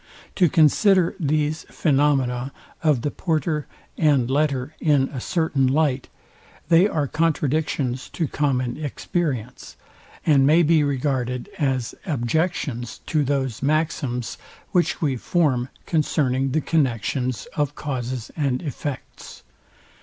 To consider these phaenomena of the porter and letter in a certain light, they are contradictions to common experience, and may be regarded as objections to those maxims, which we form concerning the connexions of causes and effects.